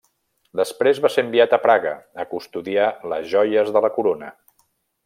Després va ser enviat a Praga a custodiar les joies de la corona.